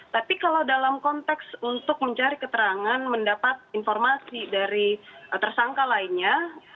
tapi kalau dalam konteks untuk mencari keterangan mendapat informasi dari tersangka lainnya